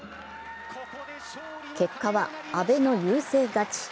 結果は阿部の優勢勝ち。